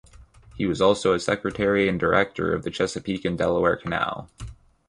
He was also a secretary and director of the Chesapeake and Delaware Canal.